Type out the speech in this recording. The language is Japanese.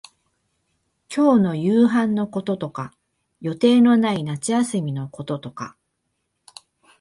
今日の夕飯のこととか、予定のない夏休みのこととか、